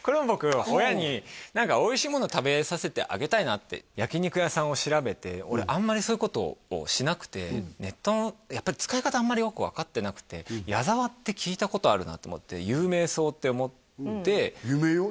これも僕焼き肉屋さんを調べて俺あんまりそういうことをしなくてネットのやっぱり使い方あんまりよく分かってなくて矢澤って聞いたことあるなと思って有名そうって思って有名よ